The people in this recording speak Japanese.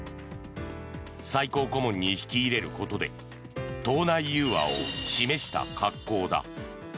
最高顧問に引き入れることで党内融和を示した格好だ。